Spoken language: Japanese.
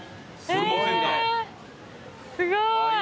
すごい。